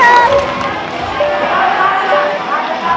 ได้ได้เย็น